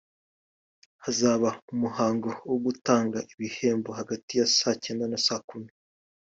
hazaba umuhango wo gutanga ibihembo hagati ya saa cyenda na saa kumi